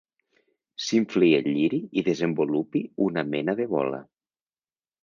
S'infli el lliri i desenvolupi una mena de bola.